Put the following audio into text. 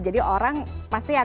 jadi itu yang harus diperhatikan